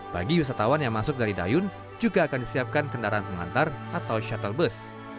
bagi wisatawan yang masuk dari dayun juga akan disiapkan kendaraan pengantar atau shuttle bus